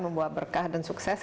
membuat berkah dan sukses